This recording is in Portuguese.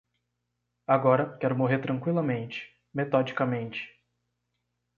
Agora, quero morrer tranqüilamente, metodicamente